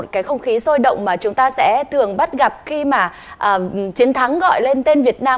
cái tình yêu của bạn hay là giảm